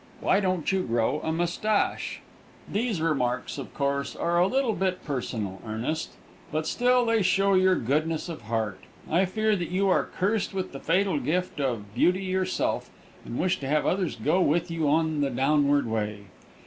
Why don't you grow a mustache?" These remarks, of course, are a little bit personal, Earnest, but still they show your goodness of heart. I fear that you are cursed with the fatal gift of beauty yourself and wish to have others go with you on the downward way.